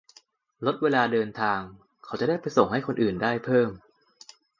- ลดเวลาเดินทาง เขาจะได้ไปส่งให้คนอื่นได้เพิ่ม